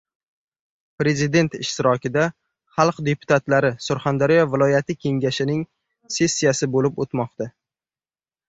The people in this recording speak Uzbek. Prezident ishtirokida Xalq deputatlari Surxondaryo viloyati kengashining sessiyasi bo‘lib o‘tmoqda